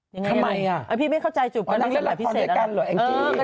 ยังไงทำไมอ่ะเอ้ยพี่ไม่เข้าใจจูบกันว่านั่งเล่นละครด้วยกันเหรอเออ